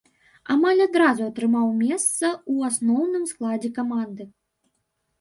Амаль адразу атрымаў месца ў асноўным складзе каманды.